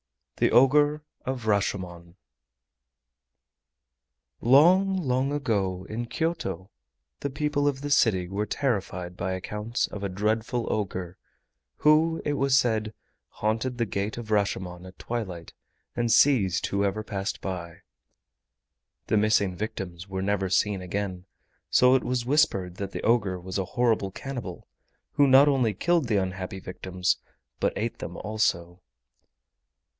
THE OGRE OF RASHOMON Long, long ago in Kyoto, the people of the city were terrified by accounts of a dreadful ogre, who, it was said, haunted the Gate of Rashomon at twilight and seized whoever passed by. The missing victims were never seen again, so it was whispered that the ogre was a horrible cannibal, who not only killed the unhappy victims but ate them also.